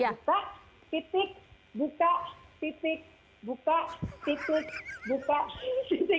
buka titik buka titik buka titik buka titik